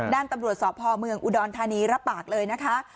ด้านตำรวจสพเมืองอุดรธานีรับปากเลยนะคะ